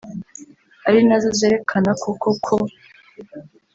ari nazo zerekana koko ko